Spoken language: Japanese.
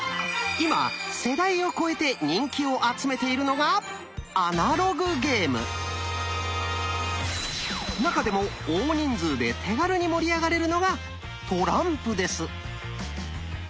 今世代を超えて人気を集めているのが中でも大人数で手軽に盛り上がれるのがトランプです。